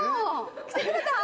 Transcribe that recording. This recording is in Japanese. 来てくれたん？